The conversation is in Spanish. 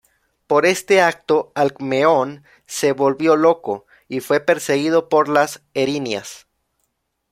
Por este acto, Alcmeón se volvió loco y fue perseguido por las Erinias.